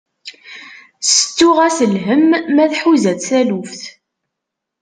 Settuɣ-as lhem, ma tḥuza-tt taluft.